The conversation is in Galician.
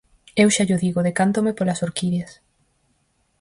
Eu xa llo digo, decántome polas orquídeas.